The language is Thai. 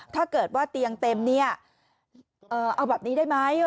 ถ้าเกิดว่าเตียงเต็มเนี่ยเอาแบบนี้ได้ไหม